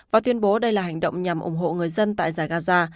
và tuyên bố đây là hành động nhằm ủng hộ người dân tại giải gaza